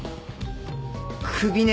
首ね。